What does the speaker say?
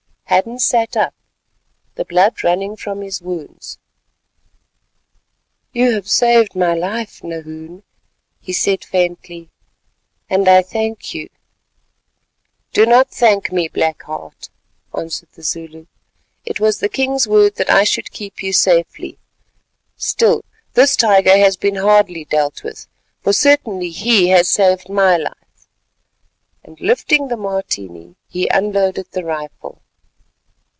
Hadden sat up, the blood running from his wounds. "You have saved my life, Nahoon," he said faintly, "and I thank you." "Do not thank me, Black Heart," answered the Zulu, "it was the king's word that I should keep you safely. Still this tiger has been hardly dealt with, for certainly he has saved my life," and lifting the Martini he unloaded the rifle.